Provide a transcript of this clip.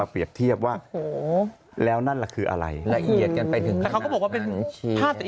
โอ้โหนาฬิกาหรอ